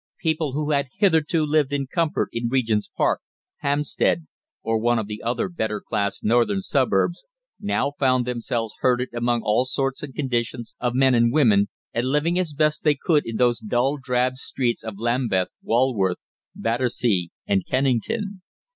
People who had hitherto lived in comfort in Regent's Park, Hampstead, or one or other of the better class northern suburbs, now found themselves herded among all sorts and conditions of men and women, and living as best they could in those dull, drab streets of Lambeth, Walworth, Battersea, and Kennington.